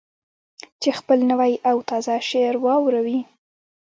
چې خپل نوی او تازه شعر واوروي.